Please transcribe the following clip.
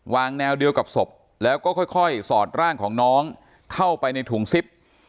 วางแนวเดียวกับศพแล้วก็ค่อยสอดร่างของน้องเข้าไปในถุงซิป